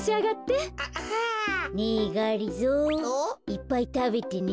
いっぱいたべてね。